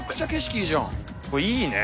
これいいね。